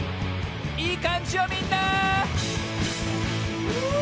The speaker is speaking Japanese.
いいかんじよみんな！